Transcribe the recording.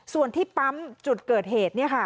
ส่วนที่ปั๊มจุดเกิดเหตุ